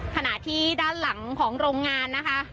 ขณะที่ด้านหลังของโรงงานนะคะ